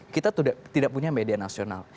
kita tidak punya media nasional